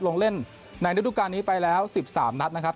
ลงเล่นในฤดูการนี้ไปแล้ว๑๓นัดนะครับ